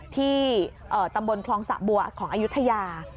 ที่ตำบลคลองสะบัวของอายุทยา